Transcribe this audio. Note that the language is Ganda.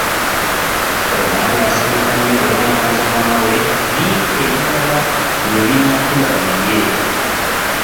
Omwana yasanyuka nnyo era n'abuuza maama we ddi ebibala lwe binaakula babirye.